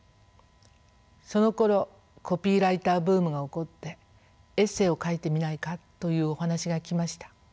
そのころコピーライターブームが起こってエッセーを書いてみないかというお話が来ました。